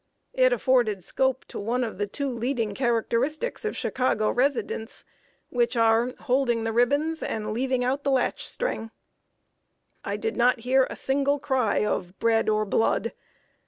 It afforded scope to one of the two leading characteristics of Chicago residents, which are, holding the ribbons and leaving out the latch string. [Sidenote: CORN NOT COTTON IS KING.] I did not hear a single cry of "Bread or Blood!"